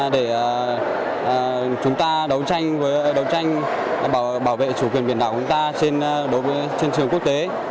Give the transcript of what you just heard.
để chúng ta đấu tranh với đấu tranh bảo vệ chủ quyền biển đảo của ta trên trường quốc tế